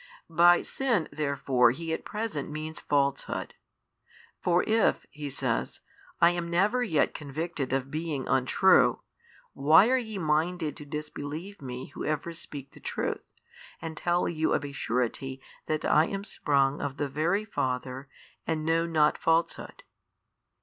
By sin therefore He at present means falsehood. For if (He says) I am never yet convicted of being untrue, why are ye minded to disbelieve Me who ever speak the truth, and tell you of a surety that I am sprung of the Very Father and know not falsehood?